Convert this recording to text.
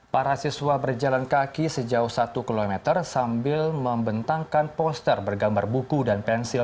para siswa berjalan kaki sejauh satu km sambil membentangkan poster bergambar buku dan pensil